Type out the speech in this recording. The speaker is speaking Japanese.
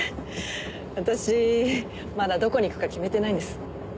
私まだどこに行くか決めてないんです。